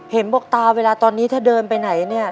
เห็นบอกตาเวลาตอนนี้ถ้าเดินไปไหนเนี่ย